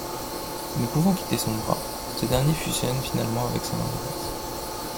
Ne pouvant quitter son bras, ce dernier fusionne finalement avec sa main droite.